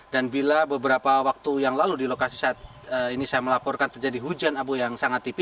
dan bila beberapa waktu yang lalu di lokasi saat ini saya melaporkan terjadi hujan abu yang sangat tipis